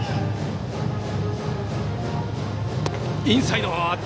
インサイド。